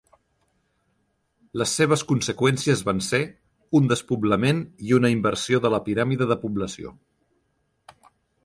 Les seves conseqüències van ser, un despoblament i una inversió de la piràmide de població.